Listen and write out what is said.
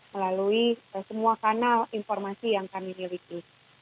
melalui semua kanal informasi yang kami miliki